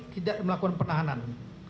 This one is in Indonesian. tidak melakukan penyidik